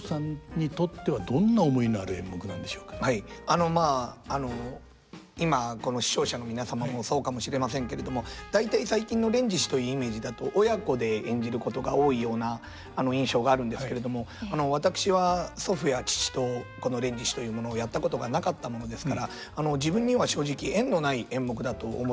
あのまああの今この視聴者の皆様もそうかもしれませんけれども大体最近の「連獅子」というイメージだと親子で演じることが多いような印象があるんですけれども私は祖父や父とこの「連獅子」というものをやったことがなかったものですから自分には正直縁のない演目だと思っておりました。